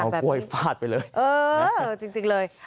เอากล้วยฟาดไปเลยเจอจริงเลย